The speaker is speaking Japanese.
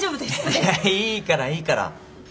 いやいいからいいから。